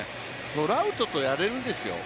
トラウトとやれるんですよ。